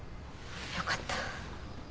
よかった。